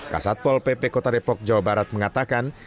kasatpol pp kota depok jawa barat mengatakan